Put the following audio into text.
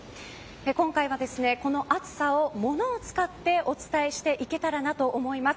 今回は、この暑さを物を使ってお伝えしていけたらなと思います。